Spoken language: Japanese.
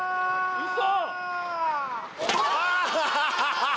うそ！